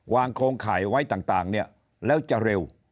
วางโครงข่ายไว้ต่างต่างเนี้ยแล้วจะเร็ว